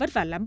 vất vả lắm